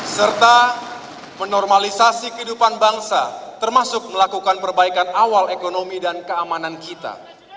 serta menormalisasi kehidupan bangsa termasuk melakukan perbaikan awal ekonomi dan keamanan kita